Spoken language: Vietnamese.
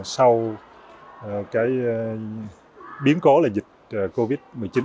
sau cái biến cố là dịch covid một mươi chín